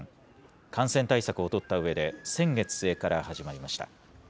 感染対策を取ったうえで、先月末から始まりました。